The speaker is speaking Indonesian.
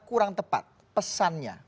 kurang tepat pesannya